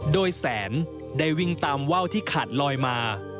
โดยแสนได้วิ่งตามว่าวที่ขาดลอยมา